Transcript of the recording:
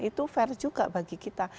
itu fair juga bagi kita